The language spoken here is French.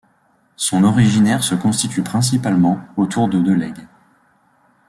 Son originaire se constitue principalement autour de deux legs.